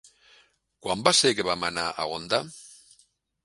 Quan va ser que vam anar a Onda?